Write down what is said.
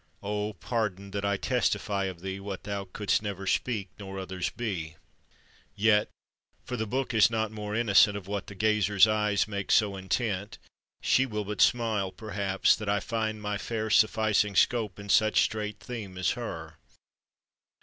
Oh, pardon, that I testify of thee What thou couldst never speak, nor others be! Yet (for the book is not more innocent Of what the gazer's eyes makes so intent), She will but smile, perhaps, that I find my fair Sufficing scope in such strait theme as her.